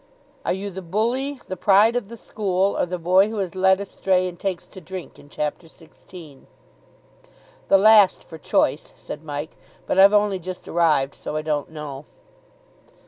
"Are you the Bully, the Pride of the School, or the Boy who is Led Astray and takes to Drink in Chapter Sixteen?" "The last, for choice," said Mike, "but I've only just arrived, so I don't know."